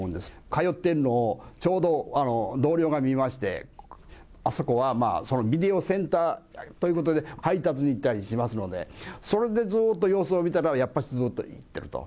通っているのを、ちょうど同僚が見まして、あそこはビデオセンターということで、配達に行ったりしますので、それでずっと様子を見ていたら、やっぱしずっと行ってると。